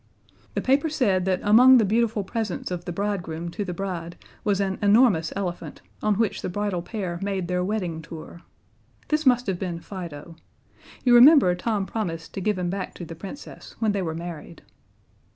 The paper said that among the beautiful presents of the bridegroom to the bride was an enormous elephant, on which the bridal pair made their wedding tour. This must have been Fido. You remember Tom promised to give him back to the Princess when they were married.